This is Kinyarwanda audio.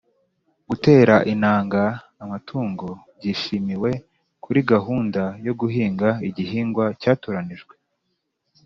gutera intanga amatungo byishimiwe kuri gahunda yo guhinga igihingwa cyatoranijwe